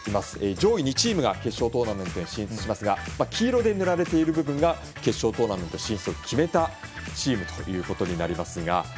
上位２チームが決勝トーナメントに進出しますが黄色で塗られている部分が決勝トーナメント進出を決めたチームとなりますが。